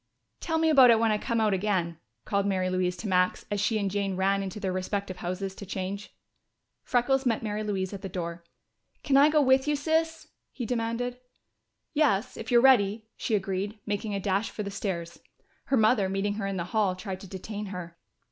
"Tell me about it when I come out again," called Mary Louise to Max as she and Jane ran into their respective houses to change. Freckles met Mary Louise at the door. "Can I go with you, Sis?" he demanded. "Yes, if you're ready," she agreed, making a dash for the stairs. Her mother, meeting her in the hall, tried to detain her.